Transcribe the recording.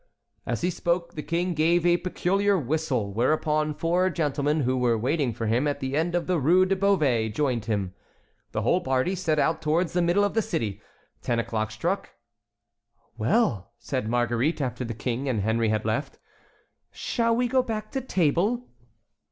As he spoke the King gave a peculiar whistle, whereupon four gentlemen who were waiting for him at the end of the Rue de Beauvais joined him. The whole party set out towards the middle of the city. Ten o'clock struck. "Well!" said Marguerite, after the King and Henry had left, "shall we go back to table?"